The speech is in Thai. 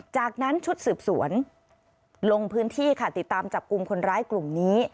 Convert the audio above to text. จากนั้นชุดสืบสวนลงพื้นที่ค่ะติดตามจับกลุ่มคนร้ายกลุ่มนี้